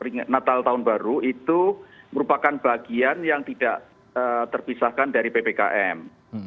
jadi kebijakan natal tahun baru itu merupakan bagian yang tidak terpisahkan dari ppkm